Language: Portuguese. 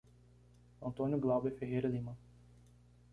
Antônio Glauber Ferreira Lima